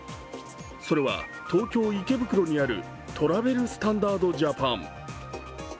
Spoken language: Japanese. それは東京・池袋にあるトラベル・スタンダード・ジャパン。